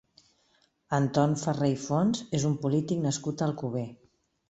Anton Ferré i Fons és un polític nascut a Alcover.